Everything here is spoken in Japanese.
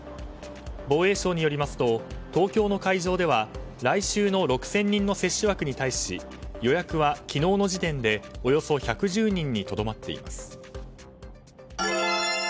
防衛省によりますと東京の会場では来週の６０００人の接種枠に対し予約は昨日の時点でおよそ１１０人にとどまっています。